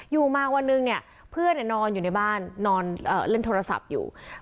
อยู่มาวันหนึ่งเนี่ยเพื่อนนอนอยู่ในบ้านนอนเล่นโทรศัพท์อยู่